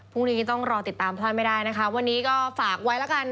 พรุ่งนี้ต้องรอติดตามพลาดไม่ได้นะคะวันนี้ก็ฝากไว้แล้วกัน